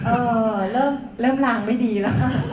เออเริ่มหล่างไม่ดีหรอ